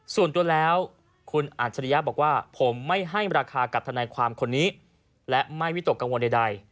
ส่วนตัวแล้วคุณอัจฉริยะบอกว่าผมไม่ให้ราคากับทนายความคนนี้และไม่วิตกกังวลใด